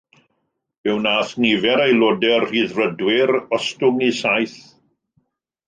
Fe wnaeth nifer aelodau'r Rhyddfrydwyr ostwng i saith.